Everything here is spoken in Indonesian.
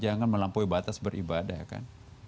jangan melampaui batas beribadah kan